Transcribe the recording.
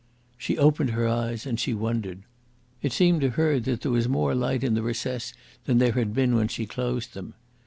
... She opened her eyes, and she wondered. It seemed to her that there was more light in the recess than there had been when she closed them.